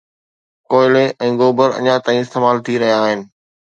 ڪوئلي ۽ گوبر اڃا تائين استعمال ٿي رهيا آهن